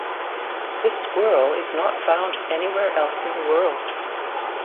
This squirrel is not found anywhere else in the world.